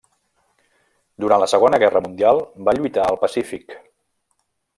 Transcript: Durant la Segona Guerra Mundial va lluitar al Pacífic.